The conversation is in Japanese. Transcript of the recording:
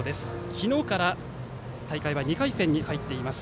昨日から大会は２回戦に入っています。